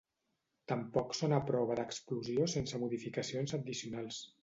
Tampoc són a prova d'explosió sense modificacions addicionals.